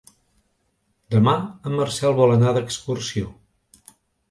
Demà en Marcel vol anar d'excursió.